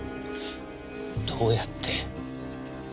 どうやって？